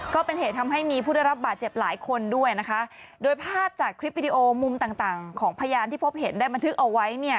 ก็เป็นเหตุทำให้มีผู้ได้รับบาดเจ็บหลายคนด้วยนะคะโดยภาพจากคลิปวิดีโอมุมต่างต่างของพยานที่พบเห็นได้บันทึกเอาไว้เนี่ย